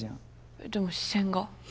えっでも視線が。